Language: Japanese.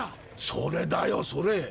それだよそれ。